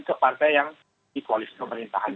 ke partai yang di koalisi pemerintahan